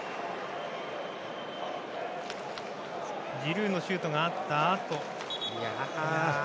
ジルーのシュートがあったあと。